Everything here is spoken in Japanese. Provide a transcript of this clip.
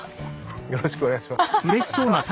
よろしくお願いします。